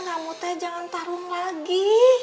kamu teh jangan tarung lagi